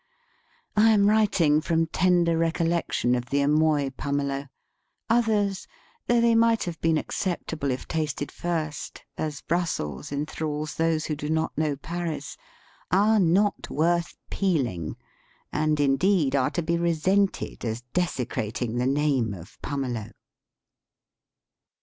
I am writing from tender recollection of the Amoy pumelo. Others, though they might have been ac ceptable if tasted first — as Brussels enthrals those who do not know Paris — are not worth peeling, and indeed, are to be resented as desecrating the name of pumelo.